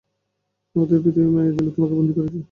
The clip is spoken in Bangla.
ওদের পৃথিবীর মায়ার জালে তোমাকে বন্দি করেছে!